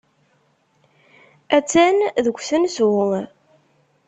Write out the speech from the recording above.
Attan deg usensu.